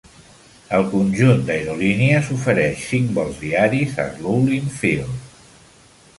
El conjunt d'aerolínies ofereix cinc vols diaris a Sloulin Field.